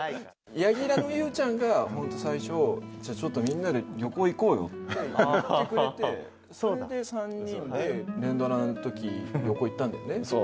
柳楽の優ちゃんが、本当最初、じゃあちょっと、みんなで旅行行こうよって言ってくれて、それで３人で連ドラのとき、旅行行ったそう。